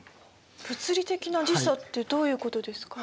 物理的な時差ってどういうことですか？